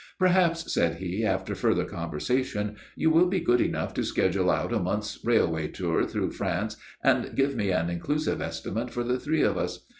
"Perhaps," said he, after further conversation, "you will be good enough to schedule out a month's railway tour through France, and give me an inclusive estimate for the three of us.